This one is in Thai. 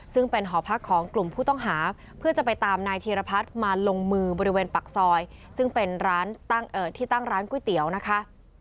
ซึ่งเป็นหอพักของกลุ่มผู้ต้องหาเพื่อจะไปตามนายธีรพัฒน์มาลงมือบริเวณปากซอยซึ่งเป็นร้านตั้งที่ตั้งร้านก๋วยเตี๋ยวนะคะ